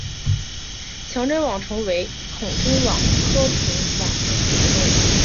强针网虫为孔盘虫科针网虫属的动物。